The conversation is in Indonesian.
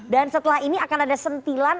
dan setelah ini akan ada sentilan